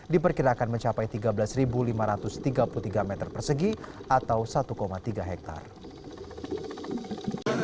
diperkirakan mencapai tiga belas lima ratus tiga puluh tiga meter persegi atau satu tiga hektare